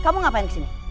kamu ngapain kesini